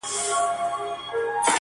پښتین ته:!!